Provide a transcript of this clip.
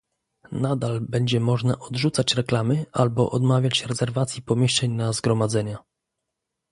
nadal będzie można odrzucać reklamy albo odmawiać rezerwacji pomieszczeń na zgromadzenia